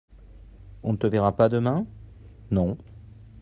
On ne te verra pas demain ? Non.